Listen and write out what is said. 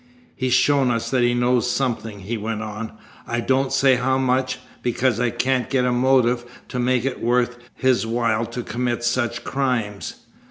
"He's shown us that he knows something," he went on. "I don't say how much, because I can't get a motive to make it worth his while to commit such crimes."